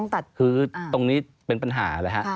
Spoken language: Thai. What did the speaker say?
ตรงนี้เป็นปัญหา